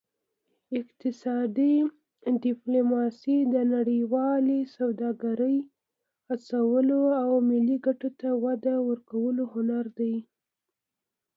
اقتصادي ډیپلوماسي د نړیوالې سوداګرۍ هڅولو او ملي ګټو ته وده ورکولو هنر دی